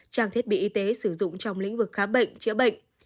trang thiết bị y tế sử dụng trong lĩnh vực khám bệnh chữa bệnh